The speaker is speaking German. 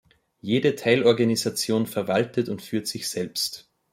Jede Teilorganisation verwaltet und führt sich selbst.